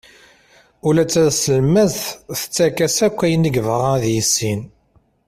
Ula d taselmadt tettak-as-d akk ayen i yebɣa ad yissin.